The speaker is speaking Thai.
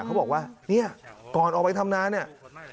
เขาบอกว่าเนี่ยก่อนออกไปทำงานเนี่ย